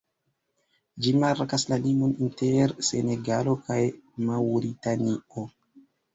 Ĝi markas la limon inter Senegalo kaj Maŭritanio.